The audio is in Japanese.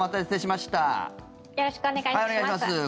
よろしくお願いします。